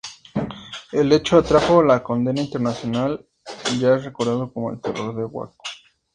El hecho atrajo la condena internacional, y es recordado como el "Terror de Waco".